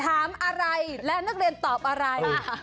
ถามอะไรและนักเรียนตอบอะไร